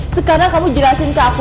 sekarang kamu jelasin ke aku